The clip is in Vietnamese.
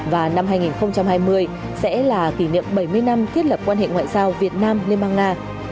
và năm hai nghìn hai mươi sẽ là kỷ niệm bảy mươi năm thiết lập quan hệ ngoại giao việt nam liên bang nga